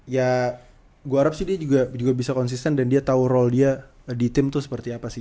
ya gue harap sih dia juga bisa konsisten dan dia tahu role dia di tim itu seperti apa sih